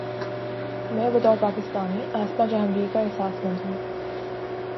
میں بطور پاکستانی عاصمہ جہانگیر کا احساس مند ہوں۔